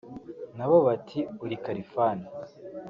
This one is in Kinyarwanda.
na bo bati uri ’Khalfan’